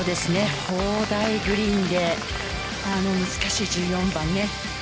高麗グリーンで難しい１４番。